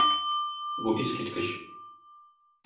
Бу искиткеч!